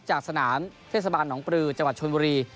จากสนามเทศบาลหนองปลือจชนวรี